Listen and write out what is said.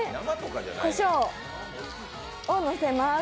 こしょうをのせます。